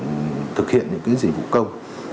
để thực hiện những cái dịch vụ công